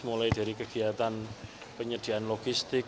mulai dari kegiatan penyediaan logistik